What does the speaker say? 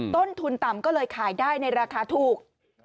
ต้นทุนต่ำก็เลยขายได้ในราคาถูก